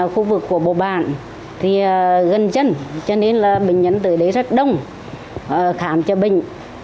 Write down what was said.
khu vực của bồ bản gần chân cho nên bệnh nhân tới đây rất đông khám cho bệnh